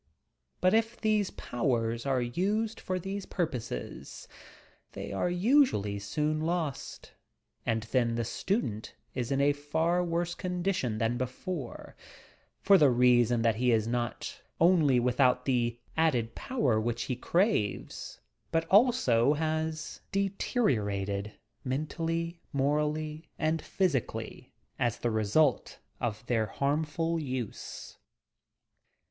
But if these powers are used for these purposes, they are usually soon lost, and then the student is in a far worse condition than before, for the reason that he is not only without the added power which he craves, but also has deteri orated mentally, morally and physically as the result of their harmful use.